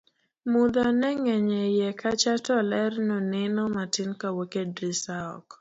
mudho neng'eny e iye kacha to ler noneno matin kawuok e drisa oko